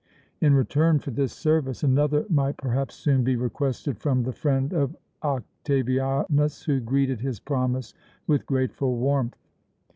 In return for this service another might perhaps soon be requested from the friend of Octavianus, who greeted his promise with grateful warmth.